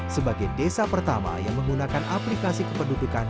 sebagai desa pertama yang menggunakan aplikasi kependudukan